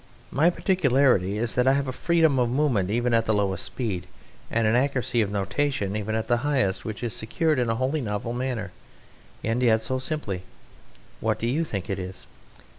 My particularity is that I have a freedom of movement even at the lowest speeds, and an accuracy of notation even at the highest, which is secured in a wholly novel manner ... and yet so simply. What do you think it is?"